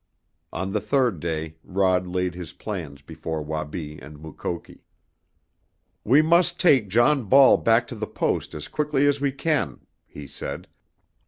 On the third day Rod laid his plans before Wabi and Mukoki. "We must take John Ball back to the Post as quickly as we can," he said.